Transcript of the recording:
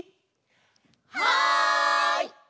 はい！